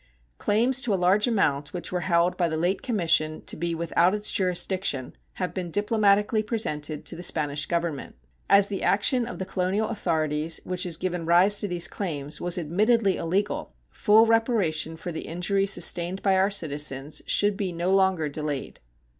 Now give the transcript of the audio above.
Claims to a large amount which were held by the late commission to be without its jurisdiction have been diplomatically presented to the Spanish Government. As the action of the colonial authorities which has given rise to these claims was admittedly illegal, full reparation for the injury sustained by our citizens should be no longer delayed.